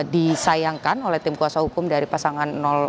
disayangkan oleh tim kuasa hukum dari pasangan satu